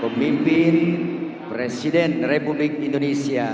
pemimpin presiden republik indonesia